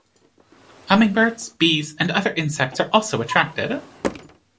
Hummingbirds, bees and other insects are also attracted.